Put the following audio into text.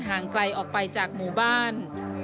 ห่างไกลออกไปจากหมู่บ้าน